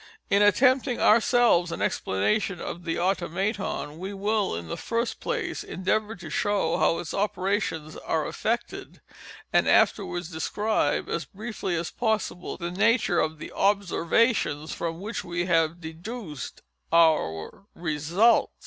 In attempting ourselves an explanation of the Automaton, we will, in the first place, endeavor to show how its operations are effected, and afterwards describe, as briefly as possible, the nature of the _observations _from which we have deduced our result.